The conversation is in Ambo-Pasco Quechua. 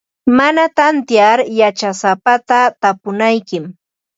Mana tantiyar yachasapata tapunaykim.